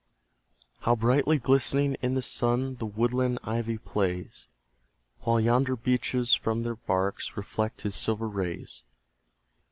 How brightly glistening in the sun The woodland ivy plays! While yonder beeches from their barks Reflect his silver rays.